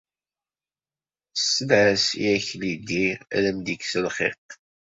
Sel-as i Akli D ad m-ikkes lxiq.